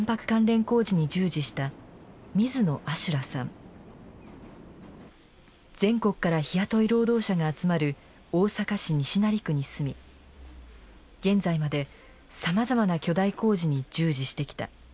当時全国から日雇い労働者が集まる大阪市西成区に住み現在までさまざまな巨大工事に従事してきた。